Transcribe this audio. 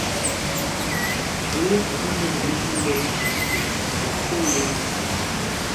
Ellis attended Mission Bay High School for his four years in high school.